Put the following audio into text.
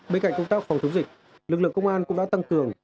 bên cạnh công tác phòng chống dịch lực lượng công an cũng đã tăng cường